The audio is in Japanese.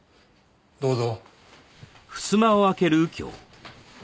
どうぞ。